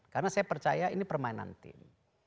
karena saya percaya ini permainan tim